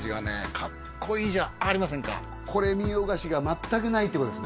かっこいいじゃありませんかこれ見よがしが全くないってことですね